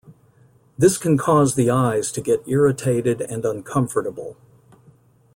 This can cause the eyes to get irritated and uncomfortable.